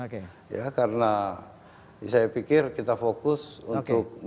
karena saya pikir kita fokus untuk menjual kembang